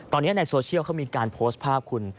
ตอนนี้ในโซเชียลเขามีการโพสต์ภาพคุณ